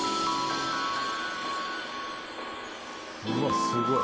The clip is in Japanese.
うわ、すごい。